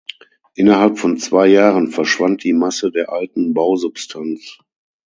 Innerhalb von zwei Jahren verschwand die Masse der alten Bausubstanz.